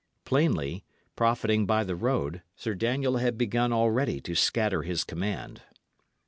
Plainly, profiting by the road, Sir Daniel had begun already to scatter his command.